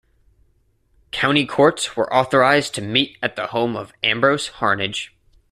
County courts were authorized to meet at the home of Ambrose Harnage.